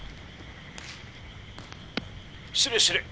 「失礼失礼！